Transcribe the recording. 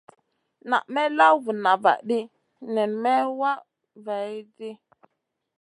Na may law vuna vahdi nen may wah vaihʼdi.